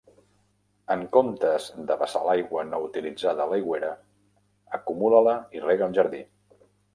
En comptes de vessar l'aigua no utilitzada a l'aigüera, acumula-la i rega el jardí.